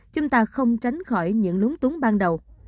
chúng ta không tránh khỏi những lúng túng ban đầu